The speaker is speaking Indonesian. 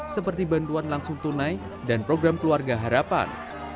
seperti bantuan langsung tunai dan program keluarga harapan